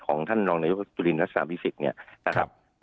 ของท่านนนจุฬินรัฐสนาปี๑๐เนี่ยนะครับ